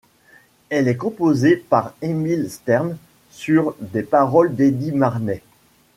Elle est composée par Emil Stern sur des paroles d'Eddy Marnay.